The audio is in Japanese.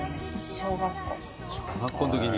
小学校のときに？